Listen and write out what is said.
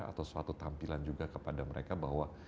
atau suatu tampilan juga kepada mereka bahwa